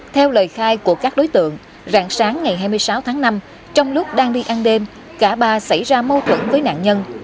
theo lời khai của các đối tượng rạng sáng ngày hai mươi sáu tháng năm trong lúc đang đi ăn đêm cả ba xảy ra mâu thuẫn với nạn nhân